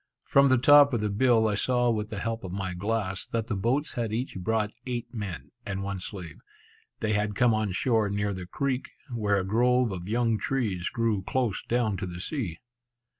From the top of the bill, I saw with the help of my glass, that the boats had each brought eight men, and one slave. They had come on shore near the creek, where a grove of young trees grew close down to the sea.